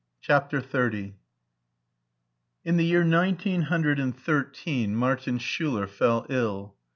CHAPTER XXX IN Ae year nineteen hundred and thirteen Martin SchiSer fell ill.